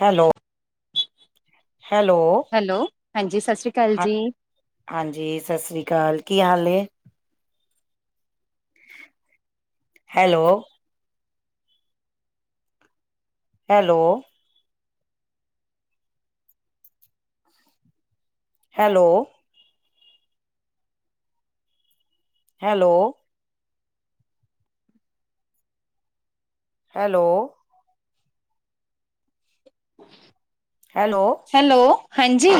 Hello. Hello hello ਹਾਂਜੀ ਸਤਿ ਸ਼੍ਰੀ ਅਕਾਲ ਹਾਂ ਜੀ। ਹਾਂਜੀ ਸਸ ਸ੍ਰੀ ਕਾਲ ਕੀ ਹਾਲ ਏ? Hello. Hello. Hello. Hello. Hello. [inaudible] Hello. Hello ਹਾਂਜੀ।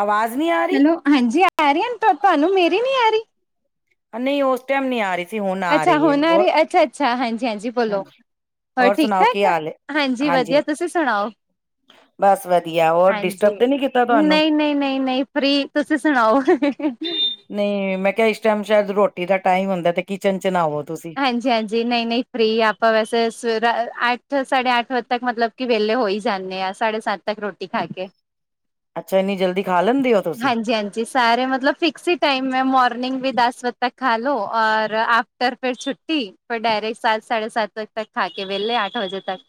ਆਵਾਜ਼ ਨੀ ਆਰੀ? ਹੈਲੋ ਹਾਂਜੀ ਆਰੀ ਆ ਨਾ [unintelligible] ਤੁਹਾਨੂੰ ਮੇਰੀ ਨੀ ਆਰੀ? ਨਈ ਓਸ ਟੈਮ ਨੀ ਆਰੀ ਅੱਛਾ ਹੁਣ ਆਰੀ ਅੱਛਾ-ਅੱਛਾ ਹਾਂਜੀ-ਹਾਂਜੀ ਬੋਲੋ ਹਾਂਜੀ ਹੋਰ ਸੁਣਾਓ ਕੀ ਠੀਕ-ਠਾਕ ਹਾਲ ਏ? ਹਾਂਜੀ ਵਧੀਆ ਤੁਸੀਂ ਸੁਣਾਓ? ਬਸ ਵ ਹਾਂਜੀ ਨਈ-ਨਈ ਨਈ-ਨਈ ਫਰੀ ਤੁਸੀਂ ਸੁਣਾਓ। ਨਈ ਮੈਂ ਕਿਆ ਇਸ ਟਾਈਮ ਸ਼ਾਇਦ ਰੋਟੀ ਦਾ ਟਾਈਮ ਹੁੰਦਾ ਤੇ ਕਿਚਨ ਚ ਹੋਵੋ ਤੁਸੀਂ। ਹਾਂਜੀ-ਹਾਂਜੀ ਨਈ-ਨਈ ਫਰੀ ਆਪਾਂ ਵਸ ਸਰ ਅੱਠ ਸਾਢੇ ਅੱਠ ਵਜੇ ਤੱਕ ਮਤਲਬ ਕੇ ਵੇਲੇ ਹੋ ਈ ਜਾਨੇ ਆ ਸਾਢੇ ਸੱਤ ਤੱਕ ਰੋਟੀ ਖਾ ਕੇ। ਅੱਛਾ ਇੰਨੀ ਜਲਦੀ ਖਾ ਲੈਂਦੇ ਓ ਤੁਸੀਂ? ਜੀ ਸਾਰੇ ਮਤਲਬ ਫਿਕਸ ਈ ਟਾਈਮ ਐ ਮੋਰਨਿੰਗ ਵੀ ਦਸ ਵਜੇ ਤੱਕ ਖਾਲੋ ਔਰ ਆਫਟਰ ਫੇਰ ਛੁੱਟੀ ਫੇਰ ਡਾਇਰੇੈ ਸਤ-ਸਾਢੇ ਸਤ ਵਜੇ ਤੱਕ ਖਾ ਕੇ ਵੇਲੇ ਅੱਠ ਵਜੇ ਤੱਕ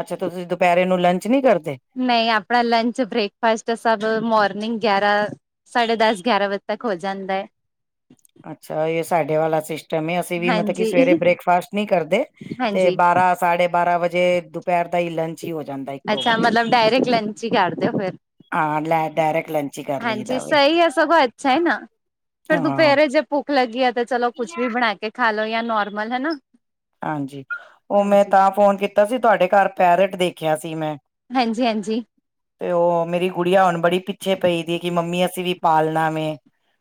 ਅੱਛਾ ਤੁਸੀਂ ਦੁਪੈਰੇ ਨੂੰ ਲੰਚ ਨੀ ਕਰਦੇ? ਨਈ ਆਪਣਾ ਲੰਚ, ਬ੍ਰੇਕਫਾਸਟ ਸਭ ਮੋਰਨਿੰਗ ਗਿਆਰਾਂ ਸਾਢੇ ਦਸ ਗਿਆਰਾਂ ਵਜੇ ਤੱਕ ਹੋ ਜਾਂਦਾ ਏ। ਅੱਛਾ, ਏ ਸਾਡੇ ਵਾਲਾ ਸਿਸਟਮ ਏ, ਅਸੀਂ ਵੀ ਮਤਲਬ ਕਿ ਹਾਂਜੀ ਸਵੇਰੇ ਬ੍ਰੇਕਫਾਸਟ ਨਈ ਕਰਦੇ ਤੇ ਹਾਂਜੀ ਬਾਰਾਂ ਸਾਢੇ ਬਾਰਾਂ ਵਜੇ ਦੁਪੈਰ ਦਾ ਈ ਲੰਚ ਹੀ ਹੋ ਜਾਂਦਾ ਇੱਕੋ ਅੱਛਾ, ਵਾਰੀ ਮਤਲਬ ਡਾਇਰੈਕਟ ਲੰਚ ਈ ਕਰਦੇ ੳ ਫੇਰ। ਹਾਂ ਲੈ ਡਾਇਰੈਕਟ ਲੰਚ ਹੀ ਕਰ ਹਾਂਜੀ, ਲਈਦਾ ਵੇ ਸਈ ਐ ਸਗੋਂ ਅੱਛਾ ਏ ਨਾ। ਫੇਰ ਹਾਂ ਦੁਪੈਰੇ ਜੇ ਭੁੱਖ ਲੱਗੀ ਆ ਤੇ ਚਲੋ ਕੁਛ ਵੀ ਬਣਾ ਕੇ ਖਾ ਲੋ ਜਾਂ ਨੋਰਮਲ ਹਨਾ। ਹਾਂਜੀ, ਉ ਮੈਂ ਹਾਂਜੀ ਤਾਂ ਫੋਨ ਕੀਤਾ ਸੀ ਤੁਹਾਡੇ ਘਰ ਪੈਰਟ ਦੇਖਿਆ ਸੀ ਮੈਂ। ਹਾਂਜੀ -ਹਾਂਜੀ। ਤੇ ਉ ਮੇਰੀ ਗੁੜੀਆ ਹੁ। ਬੜੀ ਪਿੱਛੇ ਪਈ ਦੀ ਕਿ ਮੰਮੀ ਅਸੀਂ ਵੀ ਪਾਲਨਾ ਵੇ।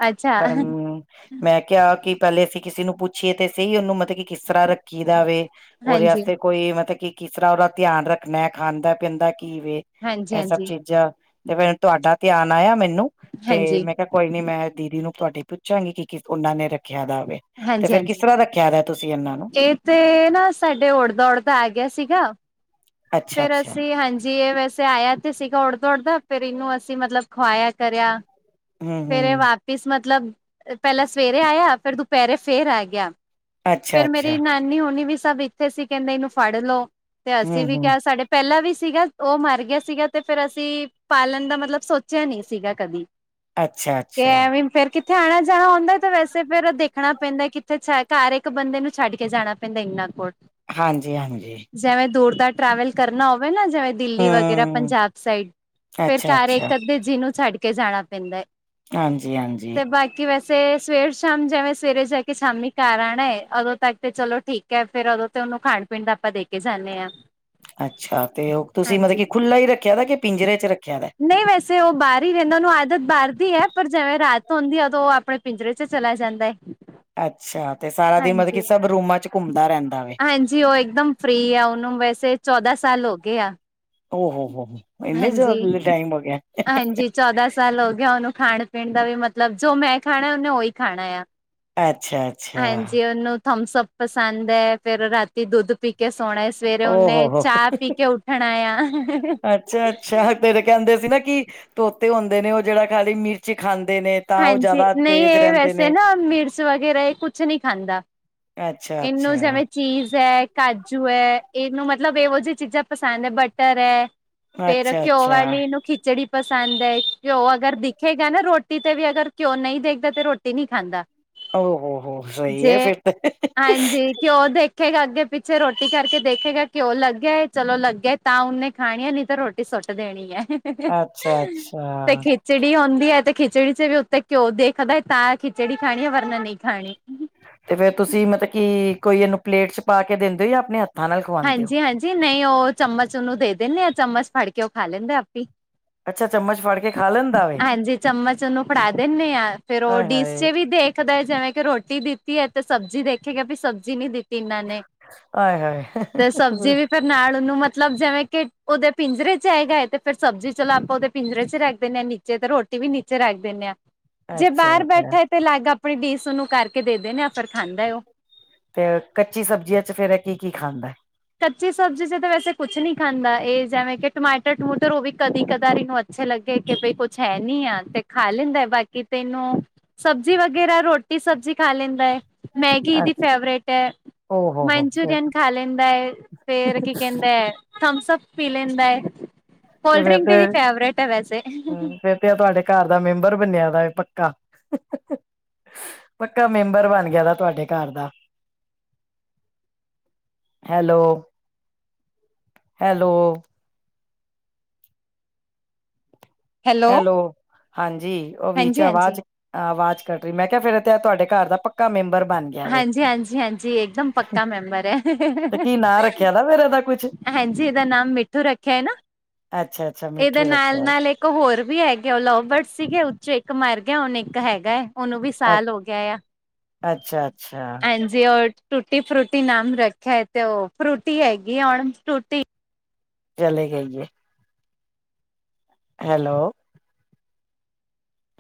ਅੱਛਾ ਪਰਮਮ ਮੈਂ ਕਿਆ, ਕਿ ਪੈਲੇ ਅਸੀਂ ਕਿਸੇ ਨੂੰ ਪੁੱਛੀਏ ਤੇ ਸਈ ਉਨੂੰ ਮਤਲਬ ਕਿ ਕਿਸ ਤਰ੍ਹਾਂ ਰੱਖੀਦਾ ਵੇ। ਉ ਦੇ ਹਾਂਜੀ ਵਾਸਤੇ ਕੋਈ ਮਤਲਬ ਕਿ ਕਿਸ ਤਰ੍ਹਾਂ ਉਦਾ ਧਿਆਨ ਰੱਖਨੈ। ਖਾਂਦਾ-ਪੀਂਦਾ ਕੀ ਵੇ? ਹਾਂਜੀ ਏ ਸਭ ਹਾਂਜੀ ਚੀਜ਼ਾਂ ਤੇ ਫੇਰ ਤੁਹਾਡਾ ਧਿਆਨ ਆਇਆ ਮੈਨੂੰ, ਤੇ ਹਾਂਜੀ, ਮੈਂ ਕਿਹਾ ਕੋਈ ਨੀ ਮੈਂ ਦੀਦੀ ਨੂੰ ਤੁਹਾਡੀ ਪੁੱਛਾਂਗੀ ਕਿ ਉਨਾਂ ਨੇ ਰ ਰੱਖਿਆ ਦਾਵੇ। ਤੇ ਫੇਰ ਕਿਸ ਹਾਂਜੀ-ਹਾਂਜੀ ਤਰ੍ਹਾਂ ਰੱਖਿਆ ਦਾ ਏ ਤੁਸੀਂ ਇਨਾਂ ਨੂੰ? ਇਹ ਤੇ ਨਾ ਸਾਡੇ ਉੱੜਦਾ-ਉੱੜਦਾ ਆ ਗਿਆ ਸੀਗਾ। ਅੱਛਾ ਫੇਰ ਅੱਛਾ ਅਸੀਂ ਹਾਂਜੀ ਏ ਵੈਸੇ ਆਇਆ ਤੇ ਸੀਗਾ ਉੱੜਦਾ-ਉੱੜਦਾ, ਫੇਰ ਇਨੂੰ ਅਸੀਂ ਮਤਲਬ ਖਵਾਇਆ ਕਰਿਆ। ਹੂੰ ਫੇਰ ਏ ਹੂੰ ਵਾਪਿਸ ਮਤਲਬ, ਪੈਲਾਂ ਸਵੇਰੇ ਆਇਆ ਫੇਰ ਦੁਪੈਰੇ ਫੇਰ ਆ ਗਿਆ। ਅੱਛਾ ਫੇਰ ਮੇਰੀ ਅੱਛਾ ਨਾਨੀ ਹੋਨੀ ਵੀ ਸਭ ਇੱਥੇ ਸੀਗੇ, ਕੈਦੇ ਇਨੂੰ ਫੜ ਲੋ। ਤੇ ਅਸੀਂ ਹੂੰ ਵੀ ਹੂੰ ਕਿਆ ਸਾਡੇ ਪੈਲਾਂ ਵੀ ਸੀਗਾ, ਉ ਮਰ ਗਿਆ ਸੀਗਾ ਤੇ ਫੇਰ ਅਸੀਂ ਪਾਲਨ ਦਾ ਮਤਲਬ ਸੋਚਿਆ ਨਈ ਸੀਗਾ ਕਦੀ। ਅੱਛਾ। ਕੇ ਅੱਛਾ ਐਵੇਂ ਫੇਰ ਕਿਥ ਕਿੱਥੇ ਆਣਾ-ਜਾਣਾ ਹੁੰਦਾ ਤਾਂ ਵੈਸੇ ਫੇਰ ਦੇਖਨਾ ਪੈਂਦਾ, ਕਿੱਥੇ ਛ ਘਰ ਇੱਕ ਬੰਦੇ ਨੂੰ ਛੱਡ ਕੇ ਜਾਨਾ ਪੈੰਦਾ, ਏਨਾ ਕੋਲ ਹਾਂਜੀ -ਹਾਂਜੀ ਜੈਵੇਂ ਦੂਰ ਦਾਰ ਟਰੈਵਲ ਕਰਨਾ ਹੋਵੇ ਨਾ ਜਿਵੇਂ ਦਿੱਲੀ ਵਗੈਰਾ ਹੂੰ ਪੰਜਾਬ, ਸਾਈਡ ਫੇਰ ਅੱਛਾ ਘਰ ਅੱਛਾ ਇੱਕ ਅੱਧੇ ਜਿ ਛੱਡ ਕੇ ਜਾਨਾ ਪੈਂਦੈ। ਹਾਂਜੀ- ਹਾਂਜੀ ਬਾਕੀ ਵੈਸੇ, ਸਵੇਰ ਸ਼ਾਮ ਜਿਵੇਂ ਸਵੇਰੇ ਜਾ ਕੇ ਸ਼ਾਮੀ ਘਾਰ ਆਣੈ ਉਦੋਂ ਤੱਕ ਤੇ ਚਲੋ ਠੀਕ। ਕ ਫੇਰ ਉਦੋਂ ਤੇ ਉਨੂੰ ਖਾਨ ਪੀਨ ਆਪਾਂ ਦੇਖ ਅੱਛਾ, ਤੇ ਉ ਤੁਸੀਂ ਮਤਲਬ ਹਾਂਜੀ। ਕੀ ਖੁੱਲਾ ਈ ਰੱਖਿਆ ਦਾ ਏ ਕਿ ਪਿੰਜਰੇ ਚ ਰੱਖਿਆ ਦੈ। ਨਈ ਵੈਸੇ ਉ ਬਾਰ ਈ ਰੈਂਦਾ। ਉਨੂੰ ਆਦਤ ਬਾਰ ਦੀ ਏ, ਪਰ ਜਿਵੇਂ ਰਾਤ ਹੁੰਦੀ ਏ ਉਦੋ ਉ ਆਪਨੇ ਪਿੰਜਰੇ ਚ ਚਲਾ ਜਾਂਦਾ ਏ। ਅੱਛਾ, ਤੇ ਸਾਰਾ ਦਿਨ ਮਤਲਬ, ਕੀ ਸਭ ਰੂਮਾਂ ਚ ਘੁੰਮਦਾ ਰੈਂ ਹਾਂਜੀ, ਉ ਏਕਦਮ ਫ੍ਰਰੀ ਐ। ਉਨੂੰ ਵੈਸੇ ਚੌਦਾਂ ਸਾਲ ਹੋ ਗਏ ਆ। ਉ, ਹੋ ਹੋ ਉ ਇੰਨੇ ਹਾਂਜੀ। ਜਾਦਾ ਟਾਈਮ ਹੋਗੇਆ। ਹਾਂਜੀ ਚੌਦਾਂ ਸਾਲ ਹੋ ਗਏ ਉਨੂੰ, ਖਾਣ- ਪੀਣ ਦਾ ਵੀ ਮਤਲਬ ਜੋ, ਮੈਂ ਖਾਨਾ ਉਨੇ ਉਹੀ ਖਾਣੇ ਆ। ਅੱਛਾ ਅੱਛਾ ਹਾਂਜੀ, ਓਨੂੰ ਥਮਸਭ ਪਸੰਦ ਏ। ਫੇਰ, ਰਾਤੀ ਦੁੱਧ ਪੀ ਕੇ ਸੋਣੈ। ਸਵੇਰੇ, ਓ ਉਨੇ ਹੋ ਹੋ ਚਾ ਪੀ ਕੇ, ਉੱਠਣੈ ਆ। ਅੱਛਾ- ਅੱਛਾ ਤੇਰੇ ਕੈਦੇ ਸੀ ਨਾ, ਕਿ ਤੋਤੇ ਹੁੰਦੇ ਨੇ ਉ, ਜੇੜਾ ਖਾਲੀ ਮਿਰਚ ਖਾਂਦੇ ਨੇ। ਤਾਂ ਉਹ ਹਾਂਜੀ, ਜ਼ਿਆਦਾ ਨਈ ਤੇਜ਼ ਏ ਰਹਿੰਦੇ ਵੈਸੇ ਨੇ ਨਾ ਮਿਰਚ ਵਗੈਰਾ, ਏ ਕੁਛ ਨਈ ਖਾਂਦਾ। ਅੱਛਾ- ਅੱਛਾ ਇਹਨੂੰ ਜਿਵੇਂ ਚੀਜ਼ ਐ, ਕਾਜੂ ਐ, ਏਨੂੰ ਮਤਲਬ ਏ ਜਿਹੀ ਚੀਜ਼ਾਂ ਪਸੰਦ ਐ, ਬਟਰ ਐ। ਫੇਰ ਅੱਛਾ ਘਿਓ ਅੱਛਾ ਵਾਲੀ ਇਹਨੂੰ ਖਿਚੜੀ ਪਸੰਦ ਏ, ਘਿਓ ਅਗਰ ਦਿਖੇਗਾ ਨਾਂ ਰੋ ਰੋਟੀ ਤੇ ਵੀ ਅਗਰ ਘਿਉ ਨਹੀਂ ਦੇਖਦਾ, ਤੇ ਰ੍ਹੋਟੀ ਨਹੀਂ ਖਾਂਦਾ। ਓਹੋ, ਹੋ ਸਹੀ ਏ, ਜੇ ਫਿਰ ਤੇ ਹਾਂਜੀ ਘਿਓ ਦੇਖੇਗਾ, ਅੱਗੇ-ਪਿੱਛੇ ਰ੍ਹੋਟੀ ਕਰਕੇ ਦੇਖੇਗਾ ਘਿਓ ਲੱਗਿਆ ਏ, ਚਲੋ ਲੱਗਿਆਏ, ਤਾਂ ਉਹਨੇ, ਖਾਣੀ ਹੈ ਨਹੀਂ ਤਾਂ ਰ੍ਹੋ ਸੁੱਟ ਦੇਣੀ ਏ, ਅੱਛਾ ਅੱਛਾ ਤੇ ਖਿਚੜੀ ਹੋੱਦੀ ਏ, ਤੇ ਖਿਚੜੀ'ਚ ਵੀ ਉੱਤੇ ਘਿਉ ਦੇਖਦਾ ਏ, ਤਾਂ ਖਿਚੜੀ ਖਾਣੀ ਏ, ਵਰਨਾ ਨਹੀਂ ਖਾਣੀ। ਤੇ ਫੇਰ ਤੁਸੀਂ ਮਤਲਬ ਕੀ ਕੋਈ, ਇਹਨੂੰ ਪਲੇਟ'ਚ ਪਾਕੇ ਦਿੰਦੇ ਓ, ਯਾ ਆਪਣੇ ਹੱ ਹਾਂਜੀ-ਹਾਂਜੀ, ਨਹੀਂ, ਉਹ ਚਮਚ ਉਹਨੂੰ ਦੇ ਦਿੰਨੇ ਆ, ਚੱਮਚ ਫੜਕੇ, ਉਹ ਖਾ ਲੈਂਦੇ ਆਪੇ ਈ। ਅੱਛਾ ਚਮਚ ਫੜ ਕੇ ਖਾ ਲੈਂਦਾ ਵੇ ਹਾਂਜੀ, ਚੱਮਚ ਉਹਨੂੰ ਫੜਾ ਦਿੰਨੇ ਆ ਫੇਰ, ਉਹ ਆਏ ਡਿਸ'ਚ ਹਾਏ ਵੀ ਦੇਖ ਦਾ ਜਿਵੇਂ ਕਿ ਰੋਟੀ ਦਿੱਤੀ ਐ, ਤੇ ਸਬਜ਼ੀ ਦੇਖੇਗਾ ਵੀ ਸਬਜ਼ੀ ਨੀ ਦਿੱਤੀ ਇੰਨਾਂ ਨੇ। ਆਏ-ਹਾਏ। ਤੇ ਸਬਜ਼ੀ ਵੀ ਫਿਰ ਨਾਲ ਉਹਨੂੰ ਮਤਲਬ ਜਿਵੇਂ ਕਿ ਉਹਦੇ ਪਿੰਜਰੇ'ਚ ਹੈ ਗਾਏ, ਤੇ ਫੇਰ ਸਬਜ਼ੀ ਚਲੋ ਆਪਾਂ ਉਹਦੇ ਪਿੰਜਰੇ'ਚ ਰੱਖ ਦਿੰਨੇ ਆ ਨਿੱ ਜੇ ਤੇ ਰ੍ਹੋਟੀ ਵੀ ਨੀਚੇ ਰੱਖ ਦਿੰਨੇ ਆ। ਜੇ ਅੱਛਾ ਬਾਹਰ ਅੱਛਾ ਬੈਠਾ ਏ ਤੇ, ਅਲੱਗ ਆਪਣੀ ਡੀਸ਼ ਉਹਨੂੰ ਕਰਕੇ ਦੇ ਦੇਨੇ ਆ, ਫਿਰ ਖਾਂਦਾ ਏ ਓ। ਫਿਰ ਕੱਚੀ ਸਬਜ਼ੀਆ'ਚ ਫੇਰ ਏ ਕੀ-ਕੀ ਖਾਂਦਾ। ਕੱਚੀ ਸਬਜ਼ੀ'ਚ ਤਾਂ ਵੈਸੇ ਕੁਛ ਨੀ ਖਾਂਦਾ ਇਹ, ਜਿਵੇਂ ਕਿ ਟਮਾਟਰ-ਟਮੂਟਰ ਉਹ ਵੀ ਕਦੀ ਕਦਾਰ ਹੀ ਅੱਛੇ ਲੱਗੇ ਕਿ ਬਈ ਕੁੱਛ ਹੈ ਨੀ ਆ ਤੇ ਖਾ ਲੈਂਦਾ, ਬਾਕੀ ਤੇ ਇਹਨੂੰ ਸਬਜ਼ੀ ਵਗੈਰਾ, ਰੋਟੀ ਸਬਜ਼ੀ ਖਾ ਲੈਂਦਾ ਏ। ਮੈਗੀ ਅ ਦੀ ਫੇਵਰੇਟ ਐ, ਓ ਹੋ ਹੋ ਫੇਰ ਮਨਚੂਰੀਅਨ ਖਾਲੇ ਦਾ ਏ, ਫੇਰ ਕੀ ਕਹਿੰਦੇ, ਥਮਸ ਅਪ ਪੀ ਲੇਂਦਾ ਏ। ਤੇ ਕੋਲਡ ਫੇਰ ਡਰਿੰਕ ਦੀ ਵੀ ਫੈਵਰੇਟ ਆ, ਵੈਸੇ। ਐਂ, ਤੁਹਾਡੇ ਘਰ ਦਾ ਮੈਂਬਰ ਬਨਿਆ ਦਾ ਏ ਪੱਕਾ। ਪੱਕਾ‌ ਮੈਂਬਰ ਬਣ ਗਿਆਦਾ, ਤੁਹਾਡੇ ਘਰ ਦਾ। Hello, hello. ਹੈਲੋ, ਹਾਂਜੀ, ਉਹ, ਵੀ ਚ ਹਾਂਜੀ ਹਾਂਜੀ। ਅਵਾਜ਼ ਆ ਆਵਾਜ਼ ਕਟ ਰਹੀ, ਮੈਂ ਕਿਹਾ ਫਿਰ ਤੇ ਤੁਹਾਡੇ ਘਰ ਦਾ ਪੱਕਾ ਮੈਂਬਰ ਬਨ ਗ ਹਾਂਜੀ, ਹਾਂਜੀ, ਹਾਂਜੀ ਇਕਦਮ ਪੱਕਾ ਮੈਂਬਰ ਐ। ਤੇ ਕੀ ਨਾਂ ਰੱਖਿਆ ਨਾ, ਫਿਰ ਇਹਦਾ ਕੁਛ? ਹਾਂਜੀ, ਇਹਦਾ ਨਾਮ ਮਿੱਠੂ ਰੱਖਿਆ ਏ ਨਾ? ਅੱਛਾ। ਇਹਦੇ ਨਾਲ-ਨਾਲ ਇੱਕ ਹੋਰ ਵੀ ਹੈਗੇ ਆ, ਉਹ ਲਵ ਬਰਡ ਸੀਗੇ, ਉ'ਚੋ ਇੱਕ ਮਰ ਗਿਆ, ਹੁਣ ਇੱਕ ਹੈਗਾ ਏ। ਉਹਨੂੰ ਵੀ ਐ, ਸਾਲ ਹੋਗਿਆ ਆ, ਅੱਛਾ-ਅੱਛਾ ਐਂ ਜੇ ਉਹ ਟੂਟੀ-ਫਰੂਟੀ ਨਾਮ ਰੱਖਿਆ ਏ, ਤੇ ਉਹ ਫਰੂਟੀ ਹੈਗੀ ਆ ਹੁਣ, ਟੂਟੀ ਚਲੇ ਗਈਏ। ਹੈਲੋ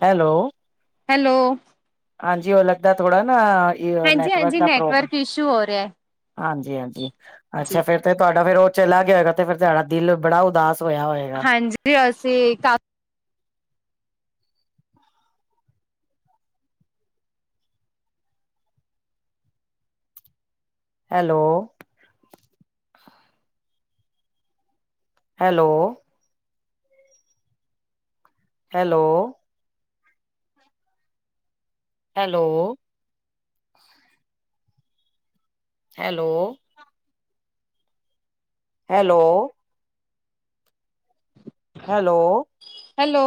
ਹੈਲੋ ਹੈਲੋ ਹਾਂਜੀ, ਓ ਲਗਦਾ ਥੋੜਾ ਨਾ, ਏ ਹਾਂਜੀ ਨੈਟਵਰਕ ਹਾਂਜੀ ਦਾ ਪ੍ਰੋਬ ਨੈਟਵਰਕ ਇਸ਼ੂ ਹੋ ਰਿਹਾ ਹਾਂਜੀ-ਹਾਂਜੀ, ਜੀ ਅੱਛਾ ਫੇਰ ਤੇ ਤੁਹਾਡ ਫੇਰ ਉਹ ਚਲਾ ਗਿਆ ਹੋਏਗਾ, ਤੇ ਫਿਰ ਤੁਹਾਡਾ ਦਿਲ ਬੜਾ ਉਦਾਸ ਹੋਇਆ ਹੋਇ ਹਾਂਜੀ, ਅਸੀਂ ਕਾਫ hello hello hello hello hello hello hello hello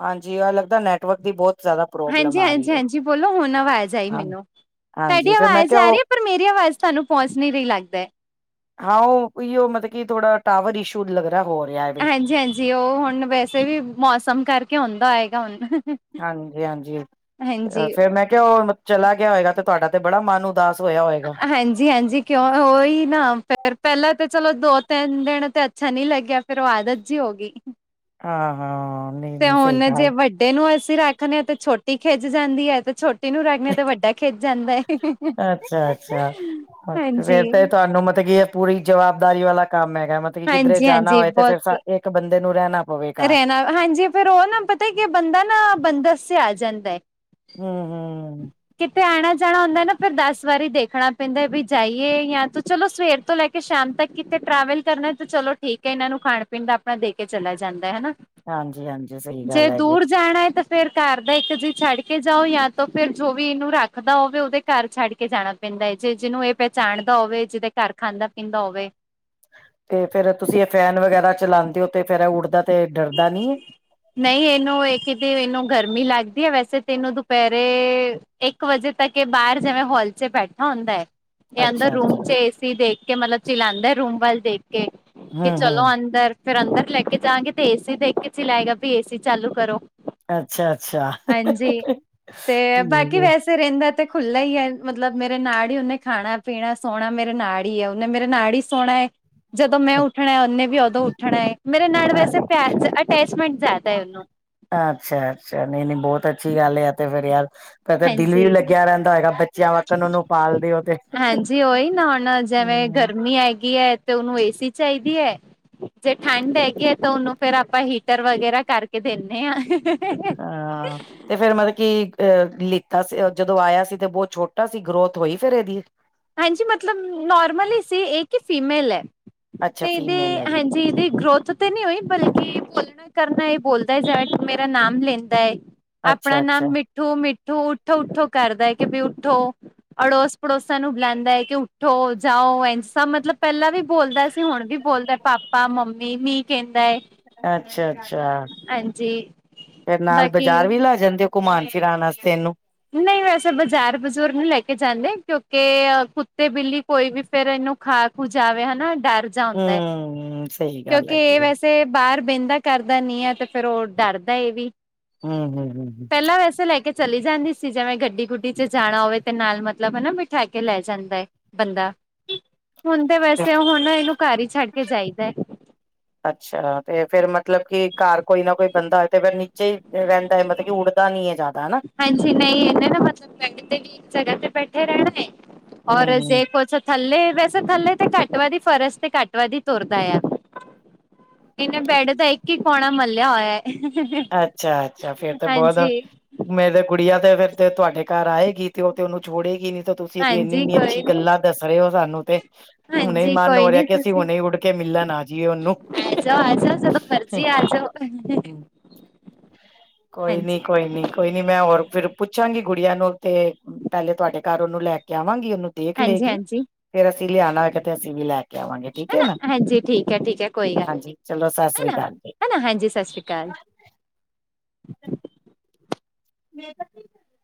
ਹਾਂਜੀ ਆਹ ਲੱਗਦਾ ਨੈਟਵਰਕ ਦੀ ਬਹੁਤ ਜ਼ਿਆਦਾ ਪ੍ਰੋਬਲਮ ਹਾਂਜੀ ਆ ਹਾਂਜੀ ਰਹੀ ਏ। ਹਾਂਜੀ ਬੋਲੋ ਹੁਣ ਆਵਾਜ਼ ਆਈ ਹਾਂ ਮੈਨੂੰ ਤੁਹਾਡੀ ਹਾਂਜੀ ਫੇਰ ਮੈਂ ਆਵਾਜ਼ ਕਿਹਾ ਆ ਰਹੀ ਉਹ ਪਰ ਮੇਰੀ ਆਵਾਜ਼ ਤੁਹਾਨੂੰ ਪਹੁੰਚ ਨੀ ਰਹੀ ਲੱਗਦਾ ਹਾਂ ਉਹ ਓਹੀਓ ਮਤਲਬ ਕੀ ਥੋੜਾ ਟਾਵਰ ਇਸ਼ੂ ਲੱਗ ਰਿਹਾ ਹੋ ਰਿਹਾ ਵੇ ਜੀ ਉਹ ਹੁਣ ਵੈਸੇ ਵੀ ਮੌਸਮ ਕਰਕੇ ਹੁੰਦਾ ਹੋਏਗਾ ਹੁਣ ਹਾਂਜੀ ਹਾਂਜੀ ਹਾਂਜੀ। ਫੇਰ ਮੈਂ ਜੈ ਓਹ ਹੁਨ ਚਲਾ ਗਿਆ ਹੋਏਗਾ ਤੇ ਤੁਹਾਡਾ ਤੇ ਬੜਾ ਮਨ ਉਦਾਸ ਹੋਇਆ ਹੋਏਗਾ ਹਂਜੀ ਹਾਂਜੀ ਕਿਉਂ ਉਹੀ ਨਾ ਫਰ ਪਹਿਲਾਂ ਤਾਂ ਚਲੋ ਦੋ ਤਿੰਨ ਦਿਨ ਤੇ ਅੱਛਾ ਨੀ ਲੱਗਿਆ ਫੇਿਰ ਉਹ ਆਦਤ ਜੀ ਹੋ ਗਈ ਹਾਂ ਹਾਂ ਨਹੀਂ ਤੇ ਨਹੀਂ ਸਹੀ ਹੁਣ ਜੇ ਗੱਲ ਵੱਡੇ ਨੂੰ ਅਸੀਂ ਰੱਖਦੇ ਹਾਂ ਤੇ ਛੋਟੀ ਖਿੱਚ ਜਾਂਦੀ ਹੈ ਤੇ ਛੋਟੀ ਨੂੰ ਰੱਖਦੇ ਤੇ ਵੱਡਾ ਖਿੱਚ ਜਾਂਦਾ ਹੈ। ਅੱਛਾ ਅੱਛਾ ਹਾਂਜੀ, ਫੇਰ ਤਾਂ ਤੁਹਾਨੂੰ ਮਤਲਬ ਕੀ ਇਹ ਪੂਰੀ ਜਵਾਬਦਾਰੀ ਵਾਲਾ ਕੰਮ ਹੈਗਾ ਮਤਲਬ ਕਿ ਕਿੱਧਰੇ ਜਾਣਾ ਹਾਂਜੀ-ਹਾਂਜੀ ਹੋਏ ਤੇ ਫੇਿਰ ਬਹੁਤ ਇੱਕ ਬੰਦੇ ਨੂੰ ਰਹਿਣਾ ਪਵੇ ਘਰ ਰਹਿਣਾ ਹਾਂਜੀ ਫੇਿਰ ਉਹ ਨਾ ਪਤਾ ਕਿ ਬੰਦਾ ਨਾ ਬੰਦਸ ਚ ਆ ਜਾਂਦਾ ਹੈ ਹੁੰ ਹੁੰ ਕਿਤੇ ਆਉਣਾ ਜਾਣਾ ਹੁੰਦਾ ਨਾ ਫਿਰ ਦਸ ਵਾਰੀ ਦੇਖਣਾ ਪੈਂਦਾ ਵੀ ਜਾਈਏ ਜਾਂ ਤ ਚਲੋ ਸਵੇਰ ਤੋਂ ਲੈ ਕੇ ਕਿ ਸ਼ਾਮ ਤੱਕ ਕਿਤੇ ਟਰੈਵਲ ਕਰਨਾ ਤੇ ਚਲੋ ਠੀਕ ਹੈ ਇਹਨਾਂ ਨੂੰ ਖਾਣ ਪੀਣ ਦਾ ਆਪਣਾ ਦੇ ਕੇ ਚਲਾ ਜਾਂਦਾ ਹੈ ਹਨਾ ਹਾਂਜੀ ਹਾਂਜੀ ਸਹੀ ਜੇ ਗੱਲ ਹੈਗੀ ਦੂਰ ਜਾਣਾ ਹੈ ਤਾਂ ਫੇਰ ਘਰ ਦਾ ਇੱਕ ਜੀ ਛੱਡ ਕੇ ਜਾਓ ਜਾਂ ਤਾਂ ਫਿਰ ਜੋ ਵੀ ਇਹਨੂੰ ਰੱਖਦਾ ਹੋਵੇ ਉਹਦੇ ਘਰ ਛੱਡ ਕੇ ਜਾਣਾ ਪੈਂਦਾ ਏ ਜੇ ਜਿਹਨੂੰ ਇਹ ਪਹਿਚਾਣਦਾ ਹੋਵੇ ਜਿਹਦੇ ਘਰ ਖਾਂਦਾ ਪੀਂਦਾ ਹੋਵੇ ਤੇ ਫੇਰ ਤੁਸੀਂ ਇਹ ਫੈਨ ਵਗੈਰਾ ਚਲਾਉਦੇ ਹੋ ਤੇ ਫੇਿਰ ਇਹ ਉੱਡਦਾ ਤੇ ਡਰਦਾ ਨਹੀ ਏ ਨਹੀਂ ਇਹਨੂੰ ਇਹ ਕਿਤੇ ਇਹਨੂੰ ਗਰਮੀ ਲੱਗਦੀ ਹੈ ਵੈਸੇ ਤੇ ਇਹਨੂੰ ਦੁਪਹਿਰੇ ਇੱਕ ਵਜੇ ਤੱਕ ਬਾਹਰ ਜਿਵੇਂ ਹਲ ਚ ਬੈਠਾ ਹੁੰਦਾ ਹੈ ਕੇਹਂਦਾ ਅੱਛਾ ਰੂਮ ਅੱਛਾ ਚ ਏਸੀ ਦੇਖ ਕੇ ਮਤਲਬ ਚਲਾਉਂਦਾ ਰੂਮ ਵੱਲ ਦੇਖ ਕੇ ਕਿ ਹਮ ਚਲੋ ਹਮ ਅੰਦਰ ਫਿਰ ਅੰਦਰ ਲੈ ਕੇ ਜਾਵਾਂਗੇ ਤੇ ਏਸੀ ਦੇਖ ਕੇ ਚ ਲਏਗਾ ਵੀ ਏਸੀ ਚਾਲੂ ਕਰੋ ਅੱਛਾ ਅੱਛਾ ਠੀਕ ਏ ਥ ਰਹਿੰਦਾ ਤੇ ਖੁੱਲ੍ਹਲਾ ਹੀ ਹੈ ਮਤਲਬ ਮੇਰੇ ਨਾੜ ਹੀ ਉਹਨੇ ਖਾਣਾ ਪੀਣਾ ਸੋਣਾ ਮੇਰੇ ਨਾੜ ਹੀ ਉਹਨੇ ਮੇਰੇ ਨਾੜ ਹੀ ਸੋਣਾ ਹੈ ਜਦੋਂ ਮੈਂ ਉੱਠਣਾ ਉਹਨੇ ਵੀ ਉਦੋਂ ਉੱਠਣਾ ਹੈ ਮੇਰੇ ਨਾੜ ਹੈ ਵੈਸੇ ਪੈਸ ਅਟੈਚਮੈਂਟ ਜ਼ਿਆਦਾ ਉਹਨੂੰ ਅੱਛਾ ਅੱਛਾ ਨਹੀਂ ਨਹੀਂ ਬਹੁਤ ਅੱਛੀ ਗੱਲ ਆ ਤੇ ਫੇਿਰ ਯਾਰ। ਫ ਤਾਂ ਦਿਲ ਵੀ ਹਾਂਜੀ ਲੱਗਿਆ ਰਹਿੰਦਾ ਹੈਗਾ ਬੱਚਿਆਂ ਵੱਖਣ ਉਹਨੂੰ ਪਾਲ ਦਿਓ ਤੇ ਹਾਂਜੀ ਉਹੀ ਨਾ ਹੁਣ ਜਿਵੇਂ ਹਮ ਗਰਮੀ ਹੈਗੀ ਹੈ ਤੇ ਉਹਨੂੰ ਏਸੀ ਚਾਹੀਦੀ ਹੈ। ਜੇ ਠੰਢ ਹੈਗੀ ਹੈ ਤਾਂ ਉਹਨੂੰ ਫੇਿਰ ਆਪਾਂ ਹੀਟਰ ਵਗੈਰਾ ਕਰਕੇ ਦੇਨੇ ਆ ਹਾਂ। ਤੇ ਫੇਰ ਮਤਲਬ ਕਿ ਅਹ ਲਿੱਤਾ ਸੀ ਜਦੋਂ ਆਇਆ ਸੀ ਤੇ ਬਹੁਤ ਛੋਟਾ ਸੀ ਗਰੋਥ ਹੋਈ ਫਿਰ ਇਹਦੀ ਹਾਂਜੀ ਮਤਲਬ ਨੋਰਮਲ ਹੀਸੀ ਏ ਕਿ ਫੀਮੇਲ ਹੈ। ਅੱਛਾ ਤੇ ਇਹਦੇ ਫੀਮੇਲ ਹੈਗੀ ਹਾਂਜੀ ਇਹਦੀ ਗਰੋਥ। ਤੇ ਨਹੀਂ ਹੋਈ ਬਲਕਿ ਬੋਲਣਾ ਕਰਨਾ ਇਹ ਬੋਲਦਾ ਜਾਵੇ ਮੇਰਾ ਨਾਮ ਲੈਂਦਾ ਹੈ। ਆਪਣਾ ਨਾਮ ਅੱਛਾ-ਅੱਛਾ, ਮਿੱਠੂ ਮਿੱਠੂ ਉੱਠੋ ਉੱਠੋ ਕਰਦਾ ਹੈ ਕਿ ਵੀ ਉੱਠੋ ਅੜੋਸ ਪੜੋਸ। ਸਾਨੂੰ ਬਲਾਦਾ ਐ ਕਿ ਉੱਠੋ, ਜਾਓ ਐਸਾ ਮਤਲਬ ਪਹਿਲਾਂ ਵੀ ਬੋਲਦਾ ਸੀ ਹੁਣ ਵੀ ਬੋਲਦਾ। ਪਾਪਾ ਮੰਮੀ ਵੀ ਕਹਿੰਦਾ ਏ। ਅੱਛਾ ਅੱਛਾ, ਤੇ ਫਿਰ ਨਾਲ ਬਾਕੀ ਬਾਜ਼ਾਰ ਵੀ ਲੈ ਜਾਂਦੇ ਓ? ਘੁਮਾਣ ਫਿਰਾਣ ਵਾਸਤੇ ਇਹਨੂੰ? ਕਿਤੇ ਬਾਜ਼ਾਰ ਬਜ਼ੂਰ ਨੀ ਲੈ ਕੇ ਜਾਂਦੇ, ਕਿਉਂਕਿ ਕੁੱਤੇ, ਬਿੱਲੀ ਕੋਈ ਵੀ ਫੇਰ ਇਹਨੂੰ ਖਾ ਖੂ ਜਾਵੇ ਹਨਾ ਡਰ ਜਾਂਦਾ ਏ, ਹੂੰ ਸਹੀ ਗੱਲ ਕਿਉਂਕਿ ਹੈਗੀ ਆ ਵੈਸੇ ਬਾਹਰ ਬਹਿੰਦਾ ਕਰਦਾ ਨੀ ਆ ਤੇ ਫੇਰ ਉਹ ਡਰਦਾ ਏ ਵੀ। ਹੂੰ-ਹੂੰ-ਹੂੰ ਪਹਿਲਾਂ ਵੈਸੇ ਲੈ ਕੇ ਚਲੀ ਜਾਂਦੀ ਸੀ ਜਿਵੇਂ ਗੱਡੀ ਗੁੱਡੀ ਚ ਜਾਣਾ ਹੋਵੇ ਤੇ ਨਾਲ ਮਤਲਬ ਹਨਾ ਬਿਠਾ ਕੇ ਲੈ ਜਾਂਦਾ ਐ ਬੰਦਾ। ਹੁਣ ਤੇ ਵੈਸੇ ਹੁਣ ਇਹਨੂੰ ਘਰ ਹੀ ਛੱਡ ਕੇ ਜਈਦਾ ਐ। ਅੱਛਾ ਤੇ ਫੇਰ ਮਤਲਬ ਕਿ ਘਰ ਕੋਈ ਨਾ ਕੋਈ ਬੰਦਾ ਹੋਵੇ ਤੇ ਫਿਰ ਨੀ ਨੀਚੇ ਰਹਿੰਦਾ ਐ ਮਤਲਬ ਕਿ ਉੱਡਦਾ ਨੀ ਏ ਜ਼ਿਆਦਾ ਹਨਾ। ਹਾਂਜੀ, ਨਹੀਂ ਇਹਨਾਂ ਨਾ ਮਤਲਬ ਮੈਂ ਕਿਤੇ ਵੀ ਇੱਕ ਜਗ੍ਹਾ ਤੇ ਬੈਠੇ ਰਹਿਣਾ ਏ, ਔਰ ਹੂੰ-ਹੂੰ ਜੇ ਕੁਛ ਥੱਲੇ ਵੈਸੇ ਥੱਲੇ ਤੇ ਘੱਟ ਵੱਧ ਹੀ ਫਰਸ਼ ਤੇ ਘੱਟ ਵੱਧ ਹੀ ਤੁਰਦਾ ਆ। ਇਹਨੇ ਬੈਡ ਦਾ ਇੱਕ ਹੀ ਕੌਨਾ ਮਲਿਆ ਹੋਇਆ। ਹੈ ਅੱਛਾ ਅੱਛਾ, ਫੇਰ ਤਾਂ ਬਹੁਤ ਹਾਂਜੀ ਮੇਰੇ ਗੁੜੀਆਂ ਤੇ ਫਿਰ ਤੇ ਤੁਹਾਡੇ ਘਰ ਆਏਗੀ ਤੇ ਉਹ ਤੇ ਉਹਨੂੰ ਛੋੜੇਗੀ ਨੀ ਤੋ- ਤੁਸੀਂ ਇਹਦੀਆ ਐਨੀ ਹਾਂਜੀ ਐਨੀ ਅੱਛੀ ਕੋਈ ਨੀ ਗੱਲਾਂ ਦੱਸ ਰਹੇ ਹੋ ਸਾਨੂੰ ਤੇ, ਹੁਣੇ ਹੀ ਹਾਂਜੀ ਮਨ ਕੋਈ ਹੋ ਰਿਹਾ ਨੀ ਕਿ ਅਸੀਂ ਤੁਸੀਂ ਹੁਣੇ ਉੱਡ ਕੇ ਮਿਲਣ ਆ ਜੀਵਨ ਨੂੰ। ਆ ਜਾਓ ਆ ਜਾਓ ਜਦੋਂ ਮਰਜ਼ੀ ਆ ਜਾਓ ਹਾਂਜੀ ਕੋਈ ਨੀ ਹਾਂਜੀ ਕੋਈ ਨੀ ਕੋਈ ਨੀ ਮੈਂ ਹੋਰ ਫਿਰ ਪੁੱਛਾਂਗੀ ਗੁੜੀਆਂ ਨੂੰ ਤੇ ਪਹਿਲੇ ਤੁਹਾਡੇ ਘਰ ਉਹਨੂੰ ਲੈ ਕੇ ਆਵਾਂਗੀ ਉਹਨੂੰ। ਦੇਖ ਹਾਂਜੀ ਲਏਗੀ ਹਾਂਜੀ। ਫੇਰ ਅਸੀਂ ਲਿਆਣਾ ਹੋਏਗਾ ਤੇ ਅਸੀਂ ਵੀ ਲੈ ਕੇ ਆਵਾਂਗੇ ਠੀਕ ਆ ਹਨਾ ਨਾ, ਹਾਂਜੀ ਠੀਕ ਹੈ ਠੀਕ ਹੈ ਕੋਈ ਗੱਲ ਹਾਂਜੀ। ਨੀ ਚਲੋ, ਸਸ ਸ੍ਰੀ ਹਨਾ ਅਕਾਲ ਜੀ। ਹਨਾ ਹਾਂਜੀ ਸਤਿ ਸ਼੍ਰੀ ਅਕਾਲ [unintelligible]